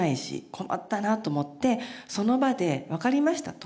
困ったなと思ってその場で「わかりました」と。